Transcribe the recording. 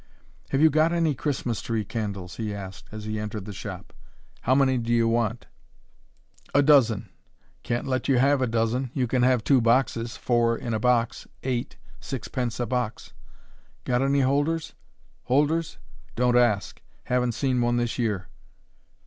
"Have you got any Christmas tree candles?" he asked as he entered the shop. "How many do you want?" "A dozen." "Can't let you have a dozen. You can have two boxes four in a box eight. Six pence a box." "Got any holders?" "Holders? Don't ask. Haven't seen one this year."